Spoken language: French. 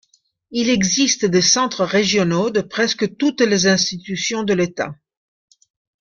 Il existe des centres régionaux de presque toutes les institutions de l'État.